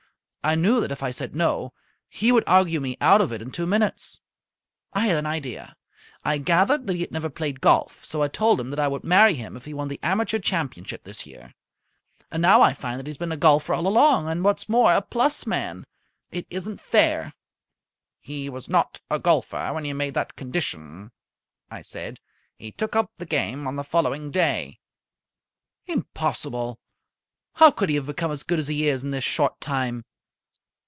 I knew that if I said 'No', he would argue me out of it in two minutes. I had an idea. I gathered that he had never played golf, so I told him that I would marry him if he won the Amateur Championship this year. And now I find that he has been a golfer all along, and, what is more, a plus man! It isn't fair!" "He was not a golfer when you made that condition," I said. "He took up the game on the following day." "Impossible! How could he have become as good as he is in this short time?"